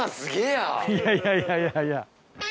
いやいやいやいやいや。